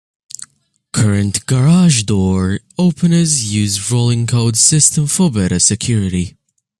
Current garage door openers use rolling code systems for better security.